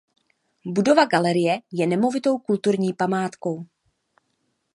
Budova galerie je nemovitou kulturní památkou.